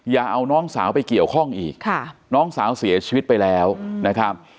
อย่าเอาน้องสาวไปเกี่ยวข้องอีกน้องสาวเสียชีวิตไปแล้วนะครับ